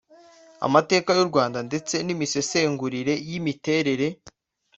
amateka y’u Rwanda ndetse n’imisesengurire y’imiterere